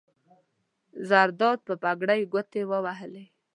زرداد په پګړۍ ګوتې ووهلې.